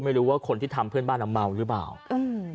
ไม่รู้ว่าคนที่ทำเพื่อนบ้านอ่ะเมาหรือเปล่าอืม